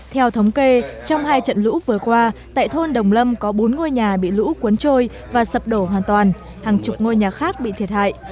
theo thống kê trong hai trận lũ vừa qua tại thôn đồng lâm có bốn ngôi nhà bị lũ cuốn trôi và sập đổ hoàn toàn hàng chục ngôi nhà khác bị thiệt hại